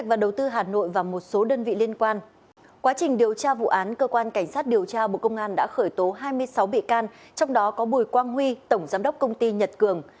cơ quan cảnh sát điều tra bộ công an đã khởi tố hai mươi sáu bị can trong đó có bùi quang huy tổng giám đốc công ty nhật cường